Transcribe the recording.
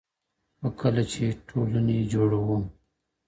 خو کله چې ټولنې جوړوو